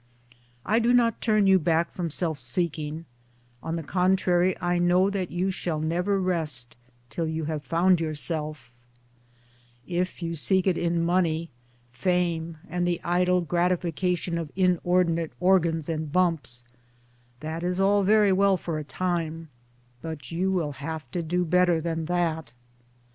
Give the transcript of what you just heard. Towards Democracy 101 I do not turn you back from self seeking ; on the con trary I know that you shall never rest till you have found your Self; If you seek it in money, fame, and the idle gratifica tion of inordinate organs and bumps — that is all very well for a time ; but you will have to do better than that.